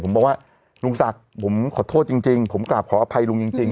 ผมบอกว่าลุงศักดิ์ผมขอโทษจริงผมกลับขออภัยลุงจริง